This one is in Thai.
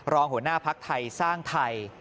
รองหัวหน้าพักไทยสร้างไทย